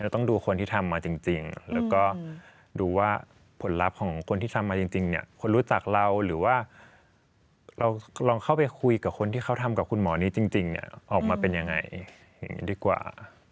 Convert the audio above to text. ต้องดูคนที่ทำมาจริงแล้วก็ดูว่าผลลัพธ์ของคนที่ทำมาจริงเนี่ยคนรู้จักเราหรือว่าเราลองเข้าไปคุยกับคนที่เขาทำกับคุณหมอนี้จริงออกมาเป็นยังไงอย่างนี้ดีกว่า